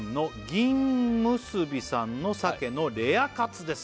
「銀結びさんの鮭のレアカツです」